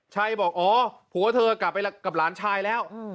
ชัยบอกอ๋อผัวเธอกลับไปกับหลานชายแล้ว